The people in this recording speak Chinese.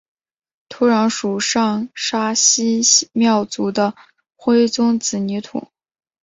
土壤属上沙溪庙组的灰棕紫泥土。